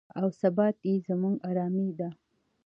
او ثبات یې زموږ ارامي ده.